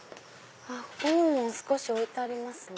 ここにも少し置いてありますね。